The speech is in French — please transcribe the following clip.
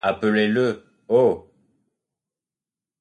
Appelez-le, oh!